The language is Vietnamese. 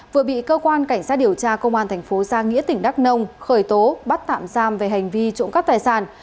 vừa bị cơ quan cảnh sát điều tra công an thành phố giang nghĩa tỉnh đắk nông khởi tố bắt tạm giam về hành vi trộm cắp tài sản